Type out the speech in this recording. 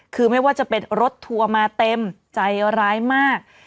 คือไม่ว่าจะเป็นรถทัวร์มาเต็มใจร้ายมาก